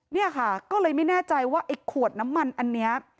เนี่ยค่ะก็เลยไม่แน่ใจว่าไอ้ขวดน้ำมันอันนี้